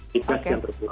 di gas yang terbuka